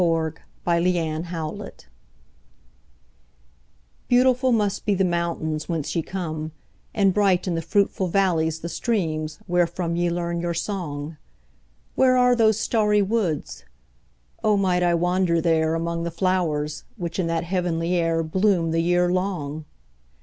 Nightingales BEAUTIFUL must be the mountains whence ye come, And bright in the fruitful valleys the streams, wherefrom Ye learn your song: Where are those starry woods? O might I wander there, Among the flowers, which in that heavenly air 5 Bloom the year long!